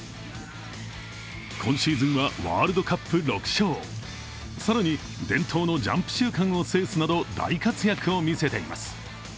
今シーズンはワールドカップ６勝更に伝統のジャンプ週間を制すなど大活躍を見せています。